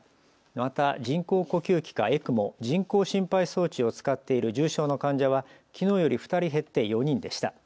また人工呼吸器かＥＣＭＯ・人工心肺装置を使っている重症の患者はきのうより２人減って４人でした。